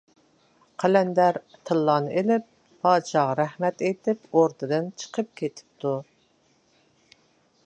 قەلەندەر تىللانى ئېلىپ، پادىشاھقا رەھمەت ئېيتىپ ئوردىدىن چىقىپ كېتىپتۇ.